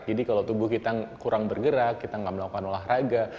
jadi kalau tubuh kita kurang bergerak kita tidak melakukan olahraga